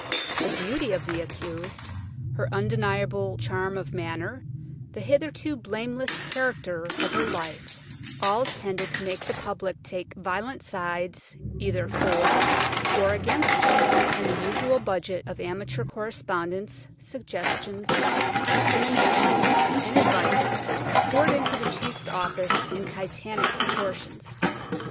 The beauty of the accused, her undeniable charm of manner, the hitherto blameless character of her life, all tended to make the public take violent sides either for or against her, and the usual budget of amateur correspondence, suggestions, recriminations and advice poured into the chief's office in titanic proportions.